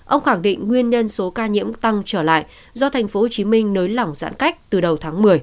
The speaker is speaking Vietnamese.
ông khẳng định nguyên nhân số ca nhiễm tăng trở lại do tp hcm nới lỏng giãn cách từ đầu tháng một mươi